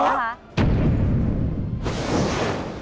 นะคะ